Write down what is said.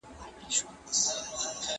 نظامي فشارونه سیاسي لوری خرابوي.